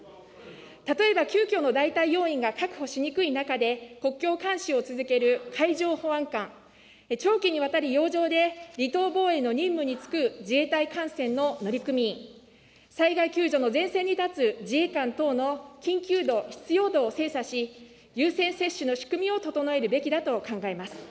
例えば、急きょの代替要員が確保しにくい中で、国境監視を続ける海上保安官、長期にわたり洋上で離島防衛の任務に就く自衛隊艦船の乗組員、災害救助の前線に立つ自衛官等の緊急度・必要度を精査し、優先接種の仕組みを整えるべきだと考えます。